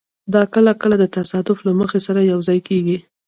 دا کله کله د تصادف له مخې سره یوځای کېږي.